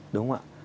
đúng không ạ